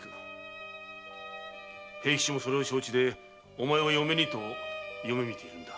平吉もそれを承知でお前を嫁にと夢見ているんだ。